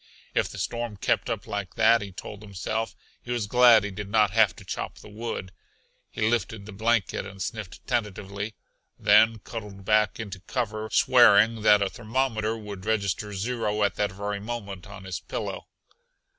If the storm kept up like that, he told himself, he was glad he did not have to chop the wood. He lifted the blanket and sniffed tentatively, then cuddled back into cover swearing that a thermometer would register zero at that very moment on his pillow.